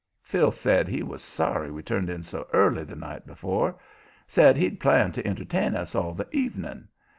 Phil said he was sorry we turned in so early the night afore. Said he'd planned to entertain us all the evening.